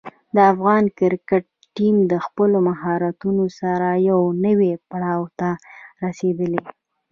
د افغان کرکټ ټیم د خپلو مهارتونو سره یوه نوې پړاو ته رسېدلی دی.